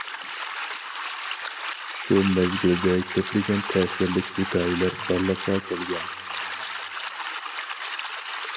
شۇ مەزگىلدە كۆپلىگەن تەسىرلىك ھېكايىلەر بارلىققا كەلگەن.